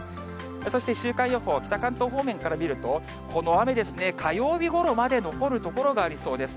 そして週間予報、北関東方面から見ると、この雨ですね、火曜日ごろまで残る所がありそうです。